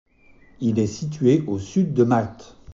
Il est situé au sud de Malte.